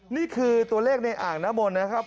นี่คือตัวเลขในอ่างน้ำมนต์นะครับ